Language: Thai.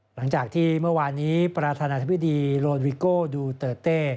หลังจากที่เมื่อวานนี้ประธานาธิบดีโลนวิโก้ดูเตอร์เต้